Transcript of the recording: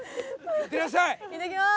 いってきます。